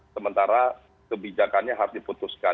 sementara kebijakannya harus dipersiapkan